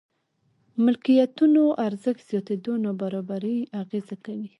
ملکيتونو ارزښت زياتېدو نابرابري اغېزه کوي.